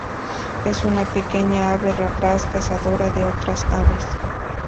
Es una pequeña ave rapaz cazadora de otras aves.